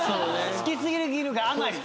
好き過ぎるがあまり。